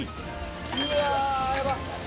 うわー、やばっ。